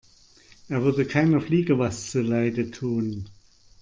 Er würde keiner Fliege was zu Leide tun.